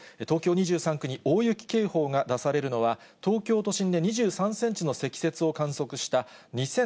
東京２３区に大雪警報が出されるのは、東京都心で２３センチの積雪を観測した